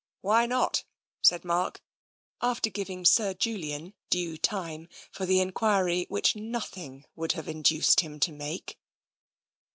" Why not ?" said Mark, after giving Sir Julian due time for the enquiry which nothing would have in duced him to make.